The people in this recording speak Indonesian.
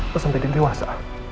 mau sampai dia dewasa